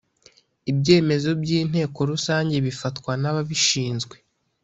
ibyemezo by’ inteko rusange bifatwa nababishizwe